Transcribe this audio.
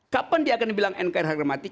kapan dia akan bilang nkri harga mati